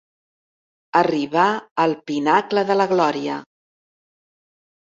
Arribar al pinacle de la glòria.